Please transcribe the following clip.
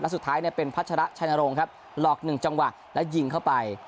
แล้วสุดท้ายเนี่ยเป็นพัชระชัยนโรงครับหลอกหนึ่งจังหวะแล้วยิงเข้าไป